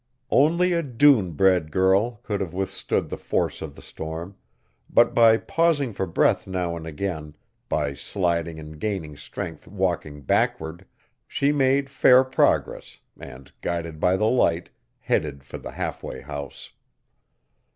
Only a dune bred girl could have withstood the force of the storm, but by pausing for breath now and again, by sliding and gaining strength walking backward, she made fair progress, and, guided by the Light, headed for the halfway house.